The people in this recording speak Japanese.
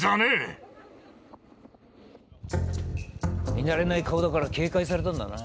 見慣れない顔だから警戒されたんだな。